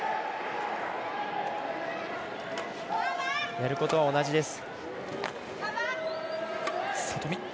やることは同じです。